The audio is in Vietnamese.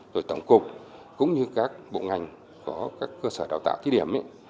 rồi tổng cục cũng như các bộ ngành có các cơ sở đào tạo thí điểm